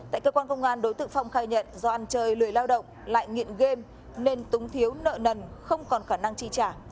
tại cơ quan công an đối tượng phong khai nhận do ăn chơi lười lao động lại nghiện game nên túng thiếu nợ nần không còn khả năng chi trả